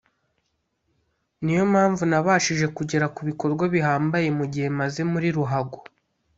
niyo mpamvu nabashije kugera ku bikorwa bihambaye mu gihe maze muri ruhago